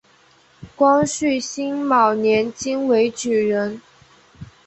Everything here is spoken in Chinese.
光绪辛卯年京闱举人。